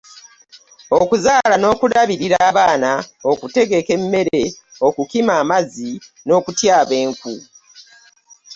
Okuzaala n’okulabirira abaana, okutegeka emmere, okukima amazzi n’okutyaba enku.